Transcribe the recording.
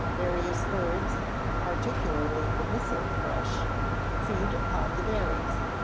_ Various birds, and particularly the missel thrush, feed upon the berries.